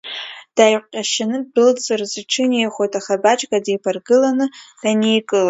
Дааиқәҟьашаны ддәылҵырц иҿынеихоит, аха Баџьга диԥырагыланы дааникылоит.